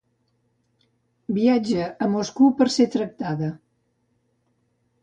Viatja a Moscou per ser tractada.